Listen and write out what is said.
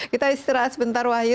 kita istirahat sebentar wahyu